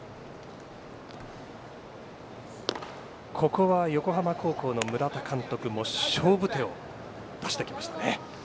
ここは、横浜高校の村田監督も勝負手を出してきましたね。